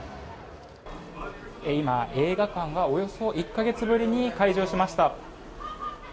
今、映画館がおよそ１か月ぶりに開場しました。